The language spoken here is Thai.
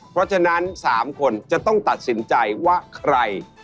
เพราะฉะนั้น๓คนจะต้องตัดสินใจว่าใคร